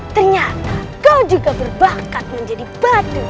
ternyata kau juga berbakat menjadi batu